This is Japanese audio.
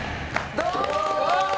どうも。